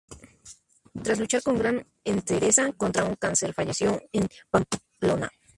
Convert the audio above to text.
Tras luchar con gran entereza contra un cáncer, falleció en Pamplona.